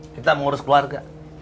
kita yang mengurus keluarga